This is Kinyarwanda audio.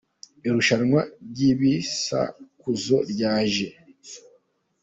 Irushanwa ry’ibisakuzo ryaje